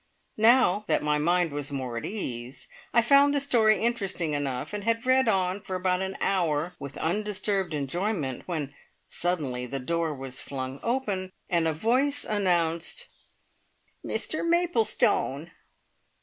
Now that my mind was more at ease, I found the story interesting enough, and had read on for about an hour with undisturbed enjoyment, when suddenly the door was flung open, and a voice announced: "Mr Maplestone!"